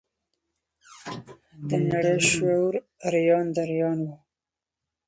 د نړۍ شعور اریان دریان و.